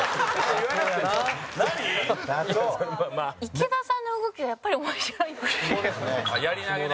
池田さんの動きはやっぱり面白いですね。